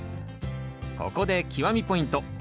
ここで極みポイント。